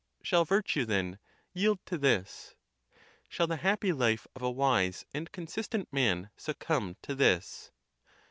Shall virtue, then, yield to this? Shall the. happy life of a wise and consistent man succumb to this?